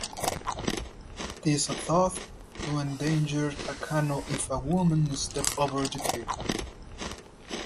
It is thought to endanger a canoe if a woman steps over the cable.